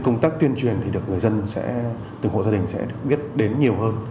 công tác tuyên truyền được người dân từng hộ gia đình sẽ biết đến nhiều hơn